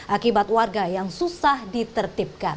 akibat warga yang susah ditertibkan